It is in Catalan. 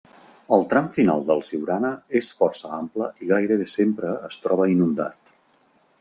El tram final del Siurana és força ample i gairebé sempre es troba inundat.